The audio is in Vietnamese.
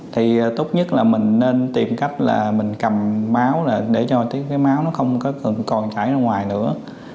thì tốt nhất là mình nên tìm cách là mình cầm máu lên để cho cái máu nó không có cần còn chảy ra ngoài nữa